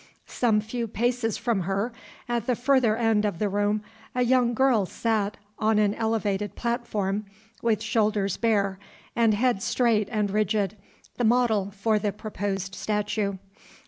Some few paces from her, at the further end of the room, a young girl sat on an elevated platform, with shoulders bare and head straight and rigid, the model for the proposed statue.